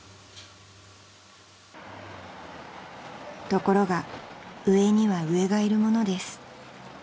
［ところが上には上がいるものです］